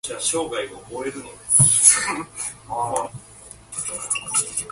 The music video was released the next day.